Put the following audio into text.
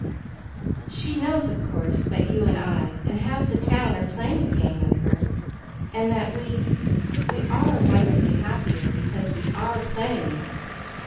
"She knows, of course, that you and I, and half the town are playing the game with her, and that we we are wonderfully happier because we ARE playing it."